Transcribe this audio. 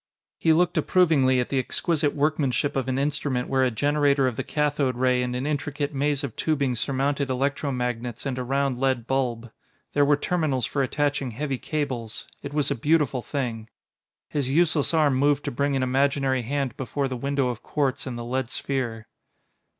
He looked approvingly at the exquisite workmanship of an instrument where a generator of the cathode ray and an intricate maze of tubing surmounted electro magnets and a round lead bulb. There were terminals for attaching heavy cables; it was a beautiful thing.... His useless arm moved to bring an imaginary hand before the window of quartz in the lead sphere.